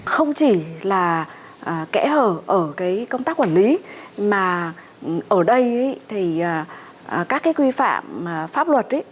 không chỉ là kẽ hở ở cái công tác quản lý mà ở đây thì các cái quy phạm pháp luật